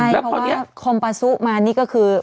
ใช่เพราะว่าคอมปาซุมานี่ก็คือ